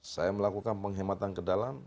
saya melakukan penghematan ke dalam